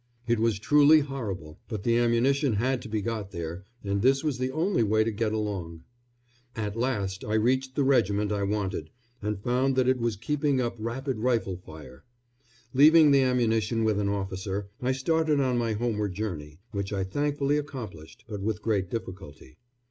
It was truly horrible, but the ammunition had to be got there, and this was the only way to get along. At last I reached the regiment I wanted, and found that it was keeping up rapid rifle fire. Leaving the ammunition with an officer, I started on my homeward journey, which I thankfully accomplished, but with great difficulty.